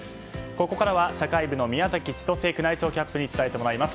ここからは社会部の宮崎千歳宮内庁キャップに伝えてもらいます。